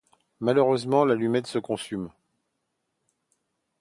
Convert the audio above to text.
Malheureusement, l'allumette se consume.